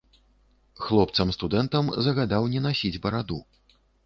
Хлопцам студэнтам загадаў не насіць бараду.